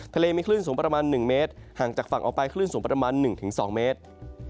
ทะเลมีคลื่นสูงประมาณ๑เมตรห่างจากฝั่งออกไปคลื่นสูงประมาณ๑๒เมตร